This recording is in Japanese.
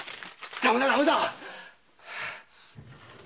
駄目だ駄目だ！